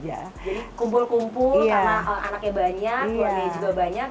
jadi kumpul kumpul karena anaknya banyak keluarganya juga banyak